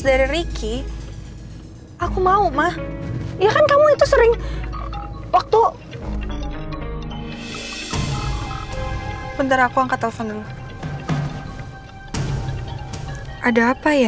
dari riki aku mau mah ya kan kamu itu sering waktu bentar aku angkat telepon dulu ada apa ya